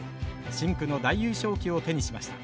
深紅の大優勝旗を手にしました。